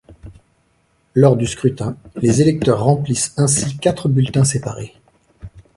Lors du scrutin, les électeurs remplissent ainsi quatre bulletins séparés.